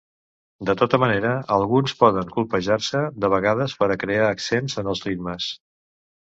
De tota manera alguns poden colpejar-se de vegades per a crear accents en els ritmes.